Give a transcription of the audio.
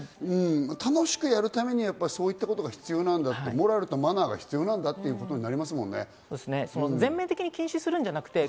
楽しくやるためにはそういったことが必要なんだ、モラルとマナーが必要なんだということになりますもんね。